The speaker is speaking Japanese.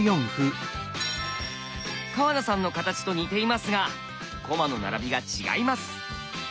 川名さんの形と似ていますが駒の並びが違います。